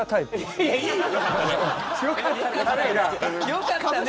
よかったね。